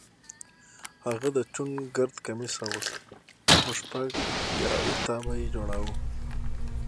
هغه د چوڼ ګرد کمیس اغوست چې په شپږ یا اووه تابه یې جوړاوه.